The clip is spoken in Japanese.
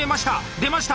出ました！